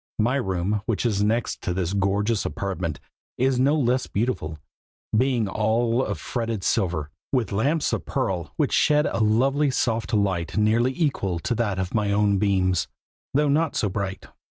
My room, which is next to this gorgeous apartment, is no less beautiful, being all of fretted silver, with lamps of pearl, which shed a lovely soft light nearly equal to that of my own beams, though not so bright.